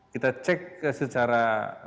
kita cek secara